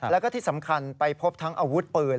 แล้วก็ที่สำคัญไปพบทั้งอาวุธปืน